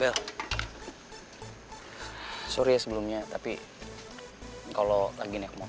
kok udah nanti disini mah